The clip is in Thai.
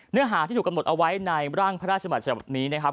เนื้อหาที่ถูกกำหนดเอาไว้ในร่างพระราชมัติฉบับนี้นะครับ